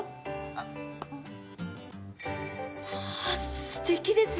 あっすてきですね。